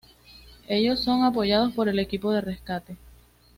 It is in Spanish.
Ellos son apoyados por el Equipo de Rescate.